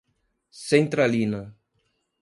Centralina